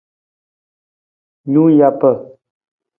Nung japa.